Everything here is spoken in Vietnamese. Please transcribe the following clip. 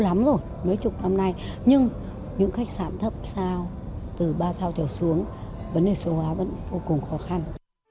lắm rồi mấy chục năm nay nhưng những khách sạn thấp sao từ ba sao trở xuống vấn đề số hóa vẫn vô cùng khó khăn